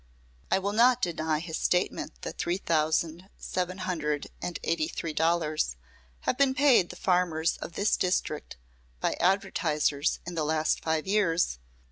I will not deny his statement that three thousand, seven hundred and eighty three dollars have been paid the farmers of this district by advertisers in the last five years.